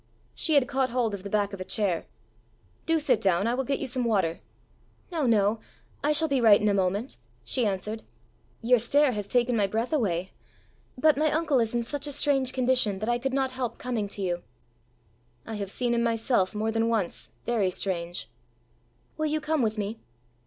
She had caught hold of the back of a chair. "Do sit down. I will get you some water." "No, no; I shall be right in a moment!" she answered. "Your stair has taken my breath away. But my uncle is in such a strange condition that I could not help coming to you." "I have seen him myself, more than once, very strange." "Will you come with me?"